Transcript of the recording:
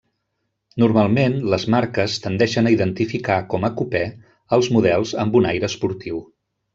Normalment les marques tendeixen a identificar com a cupè als models amb un aire esportiu.